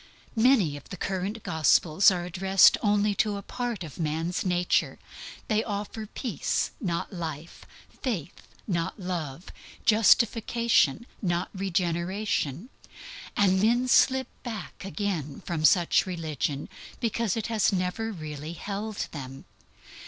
Many of the current Gospels are addressed only to a part of man's nature. They offer peace, not life; faith, not Love; justification, not regeneration. And men slip back again from such religion because it has never really held them.